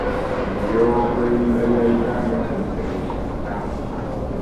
Ebyokwerinda bya Uganda tebitegerekeka.